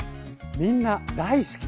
みんな大好き！